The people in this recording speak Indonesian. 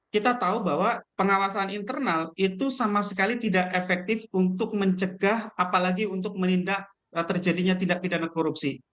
kita tahu bahwa pengawasan internal itu sama sekali tidak efektif untuk mencegah apalagi untuk menindak terjadinya tindak pidana korupsi